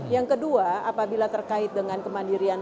yang kedua apabila terkait dengan kemandirian